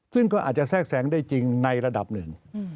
ซึ่งก็อาจจะแทรกแสงได้จริงในระดับหนึ่ง